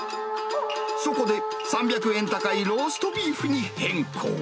そこで、３００円高いローストビーフに変更。